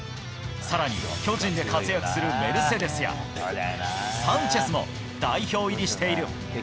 更に巨人で活躍するメルセデスやサンチェスも代表入りしている。